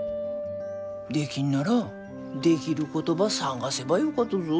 できんならできることば探せばよかとぞ。